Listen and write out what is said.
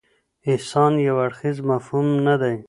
احسان یو اړخیز مفهوم نه دی.